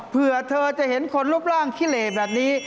เพื่อเธอจะเห็นคนรูปร่างขี้เหล่แบบนี้